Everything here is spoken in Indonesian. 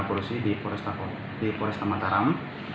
kami dikenal polresi di polresta mataram